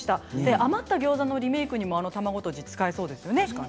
余ったギョーザのリメークにもあのテクニックが使えそうですよね。